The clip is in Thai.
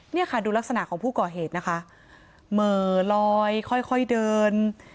เนี่ยค่ะดูลักษณะของผู้ก่อเหตุนะคะเหม่อลอยค่อยค่อยเดิน